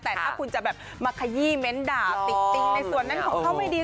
แต่ถ้าคุณจะแบบมาขยี้เม้นด่าติดติงในส่วนนั้นของเขาไม่ดี